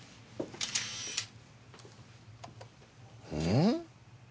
ん？